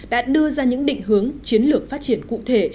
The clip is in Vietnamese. đã đưa ra những định hướng chiến lược phát triển cụ thể